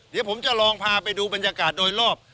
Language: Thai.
เดี๋ยวผมจะลองพาไปดูบรรยากาศโดยรอบ